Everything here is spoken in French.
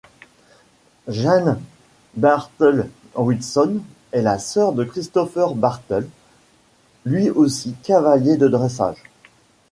Jane Bartle-Wilson est la sœur de Christopher Bartle, lui aussi cavalier de dressage.